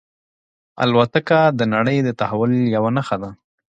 الوتکه د نړۍ د تحول یوه نښه ده.